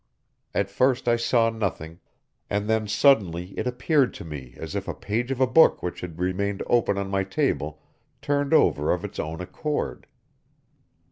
At first I saw nothing, and then suddenly it appeared to me as if a page of a book which had remained open on my table, turned over of its own accord.